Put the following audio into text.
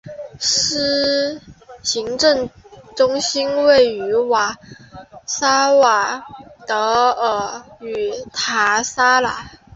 行政中心位于萨瓦德尔与塔拉萨。